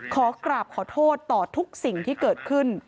ขอกราบขอโทษต่อทุกสิ่งที่เกิดขึ้น